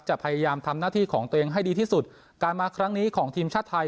พยายามทำหน้าที่ของตัวเองให้ดีที่สุดการมาครั้งนี้ของทีมชาติไทย